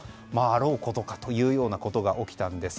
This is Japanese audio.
あろうことかというようなことが起きたんです。